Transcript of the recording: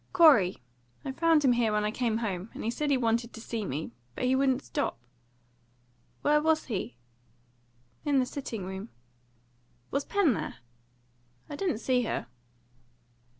"Corey. I found him here when I came home, and he said he wanted to see me; but he wouldn't stop." "Where was he?" "In the sitting room." "Was Pen there?" "I didn't see her."